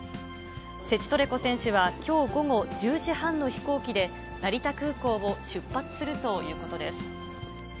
セチトレコ選手はきょう午後１０時半の飛行機で、成田空港を出発するということです。